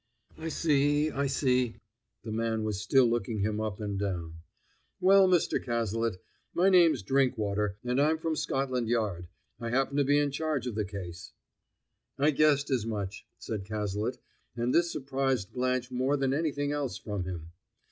"I see, I see." The man was still looking him up and down. "Well, Mr. Cazalet, my name's Drinkwater, and I'm from Scotland Yard. I happen to be in charge of the case." "I guessed as much," said Cazalet, and this surprised Blanche more than anything else from him.